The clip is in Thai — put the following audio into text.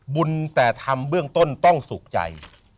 บุญแต่ทำเบื้องต้นต้องสุขใจ